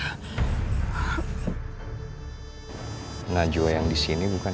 lihat aja saja dalamamen karena ini keguna